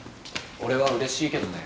俺はうれしいけどね。